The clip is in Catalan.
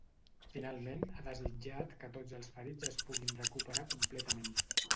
Finalment, ha desitjat que tots els ferits es puguin recuperar completament.